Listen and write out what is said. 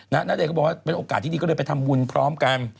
ณเดชนก็บอกว่าเป็นโอกาสที่ดีก็เลยไปทำบุญพร้อมกัน